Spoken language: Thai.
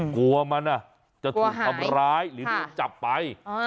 กลัวมันจะถูกทำร้ายหรือโดนจับไป